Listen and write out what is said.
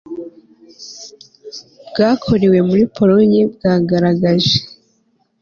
bwakorewe muri polonye bwagaragaje